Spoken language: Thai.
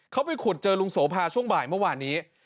เขาไปขุดเจอลุงโสภาช่วงบ่ายเมื่อวานนี้